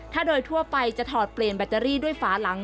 ถ้าโดยทั่วไปจะถอดเปลี่ยนแบตเตอรี่ด้วยฝาหลัง